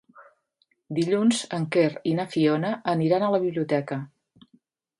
Dilluns en Quer i na Fiona aniran a la biblioteca.